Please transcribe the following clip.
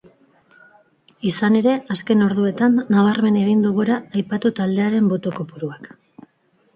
Izan ere, azken orduetan nabarmen egin du gora aipatu taldearen boto-kopuruak.